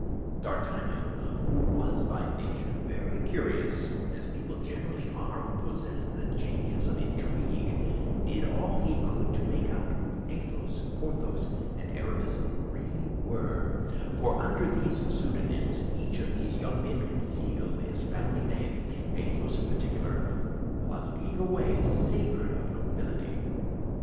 D'Artagnan, who was by nature very curious—as people generally are who possess the genius of intrigue—did all he could to make out who Athos, Porthos, and Aramis really were (for under these pseudonyms each of these young men concealed his family name)—Athos in particular, who, a league away, savored of nobility.